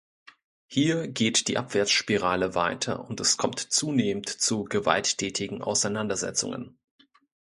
Hier geht die Abwärtsspirale weiter und es kommt zunehmend zu gewalttätigen Auseinandersetzungen.